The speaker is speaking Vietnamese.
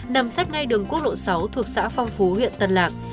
nằm sát ngay đường quốc lộ sáu thuộc xã phong phú huyện tân lạc